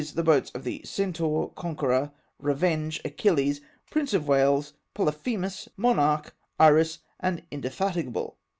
the boats of the Centaur, Con queror, Revenge, Achilles, Prince of Wales, Polyphemus^ Monarch, Iris, and Indefatigable.